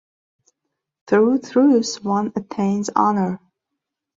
Through truth one attains honor.